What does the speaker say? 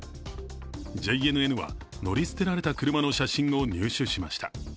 ＪＮＮは乗り捨てられた車の写真を入手しました。